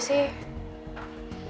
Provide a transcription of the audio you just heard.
tante boleh ya